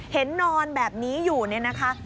เห็นนอนแบบนี้อยู่เนี่ยนะคะ